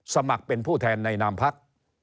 สมัครเป็นผู้แทนในนามพัก